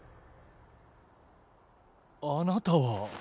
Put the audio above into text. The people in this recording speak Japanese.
あなたは？